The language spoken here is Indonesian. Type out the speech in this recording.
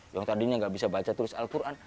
yang tadinya nggak bisa baca tulis al quran